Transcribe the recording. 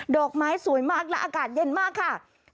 ดอกไม้สวยมากและอากาศเย็นมากค่ะ